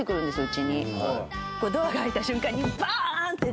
「ドアが開いた瞬間にバーン！って」